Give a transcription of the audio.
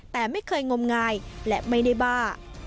แต่ไม่เคยงมงายและไม่ได้บ้า